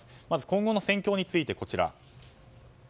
今後の戦況について、こちら。